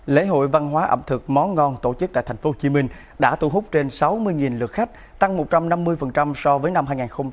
lễ hội văn hóa ẩm thực món ngon tổ chức tại tp hcm đã thu hút trên sáu mươi lượt khách tăng một trăm năm mươi so với năm hai nghìn hai mươi ba